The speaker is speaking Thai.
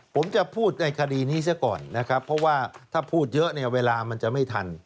ผมจะพูดในคดีนี้เสียก่อนนะครับเพราะว่าถ้าพูดเยอะเนี่ยเวลามันจะไม่ทัน